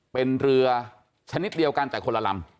เป็นเรือชนิดเดียวกันแต่คนละลำ